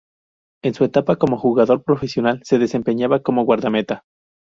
En su etapa como jugador profesional se desempeñaba como guardameta.